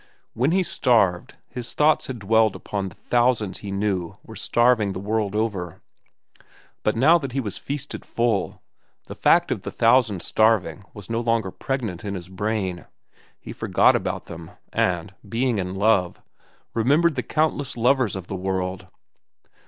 When he starved, his thoughts had dwelt often upon the thousands he knew were starving the world over; but now that he was feasted full, the fact of the thousands starving was no longer pregnant in his brain. He forgot about them, and, being in love, remembered the countless lovers in the world.